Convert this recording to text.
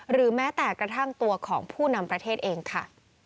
หรือแม้แต่กระทั่งตัวของผู้นำประเทศเองค่ะ